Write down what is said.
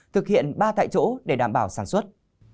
thực hiện ba tại chỗ để đảm bảo sản xuất